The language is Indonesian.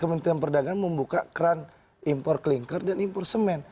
melalui kementerian perdagangan membuka kran impor kelingkar dan impor semen